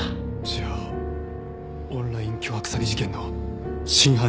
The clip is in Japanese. じゃあオンライン巨額詐欺事件の真犯人は。